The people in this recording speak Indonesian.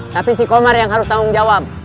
tapi si komar yang harus tanggung jawab